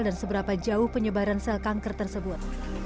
dan seberapa jauh penyebaran sel kanker tersebut